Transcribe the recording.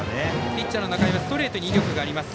ピッチャーの仲井はストレートに力があります。